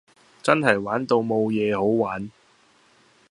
真係玩到無野好玩